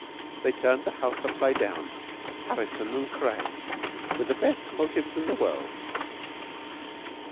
They turned the house upside down Harrison and Craye with the best motives in the world."